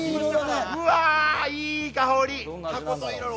うわ、いい香り。